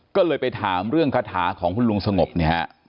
ก็เลยไปถามเรื่องคาถาของคุณลุงสงบเนี่ยฮะ